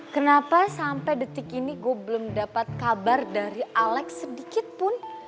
kenapa sampai detik ini gue belum dapat kabar dari alex sedikitpun